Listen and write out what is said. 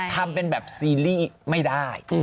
ทำเป็นแบบซีรีส์ไม่ได้